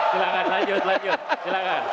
silahkan lanjut lanjut